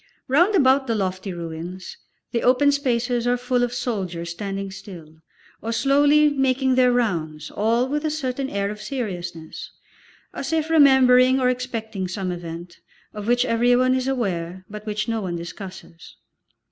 Round about the lofty ruins, the open spaces are full of soldiers standing still, or slowly making their rounds, all with a certain air of seriousness, as if remembering or expecting some event, of which everyone is aware, but which no one discusses.